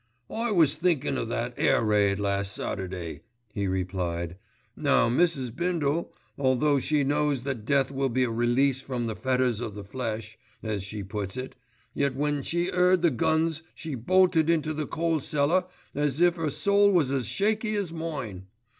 "I was thinkin' o' that air raid, last Saturday," he replied. "Now Mrs. Bindle, although she knows that death will be 'a release from the fetters of the flesh,' as she puts it, yet when she 'eard the guns she bolted into the coal cellar as if 'er soul was as shaky as mine.